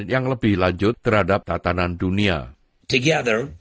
yang kadang kadang adalah